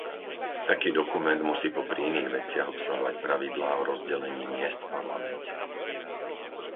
Taký dokument musí popri iných veciach obsahovať pravidlá o rozdelení miest v Parlamente.